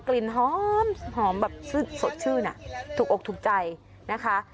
กลิ่นหอมแบบสดชื่นถูกอกถูกใจนะคะ